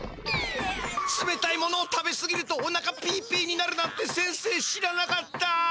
つめたいものを食べすぎるとおなかピーピーになるなんて先生知らなかった！